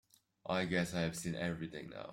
I guess I've seen everything now.